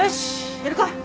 やるか。